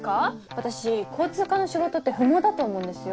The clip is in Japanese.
私交通課の仕事って不毛だと思うんですよ。